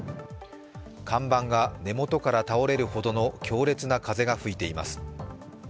看板が根元から倒れるほどの強烈な風が吹いています。